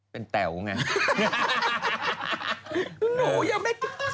เป็นแต๋วไง